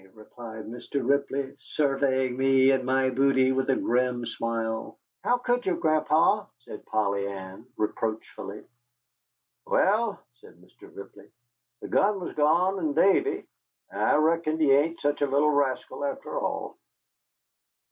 replied Mr. Ripley, surveying me and my booty with a grim smile. "How could you, Gran'pa?" said Polly Ann, reproachfully. "Wal," said Mr. Ripley, "the gun was gone, an' Davy. I reckon he ain't sich a little rascal after all."